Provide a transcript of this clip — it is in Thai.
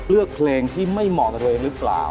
เลือกเพลงที่ไม่เหมาะกับตัวเองหรือเปล่า